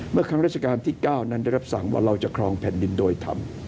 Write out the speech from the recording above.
ครั้งราชการที่๙นั้นได้รับสั่งว่าเราจะครองแผ่นดินโดยธรรม